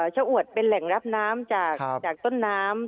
ชะอวดเป็นแหล่งรับน้ำจากต้นน้ำ